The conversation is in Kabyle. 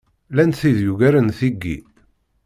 Llant tid yugaren tiggi.